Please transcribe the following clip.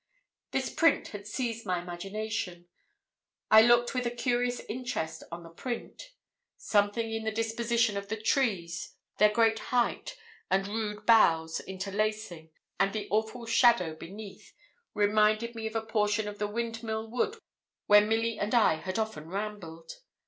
This print had seized my imagination. I looked with a curious interest on the print: something in the disposition of the trees, their great height, and rude boughs, interlacing, and the awful shadow beneath, reminded me of a portion of the Windmill Wood where Milly and I had often rambled.